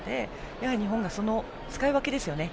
やはり日本は使い分けですよね。